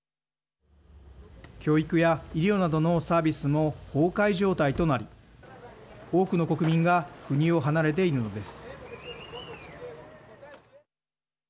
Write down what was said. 教育や医療などのサービスも崩壊状態となり多くの国民が国を離れているのです。